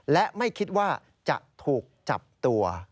และไม่คิดว่าจะถูกจับตัว